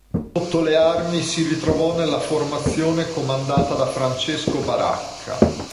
Sotto le armi, si ritrovò nella formazione comandata da Francesco Baracca.